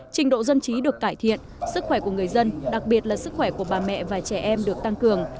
trình độ dân trí được cải thiện sức khỏe của người dân đặc biệt là sức khỏe của bà mẹ và trẻ em được tăng cường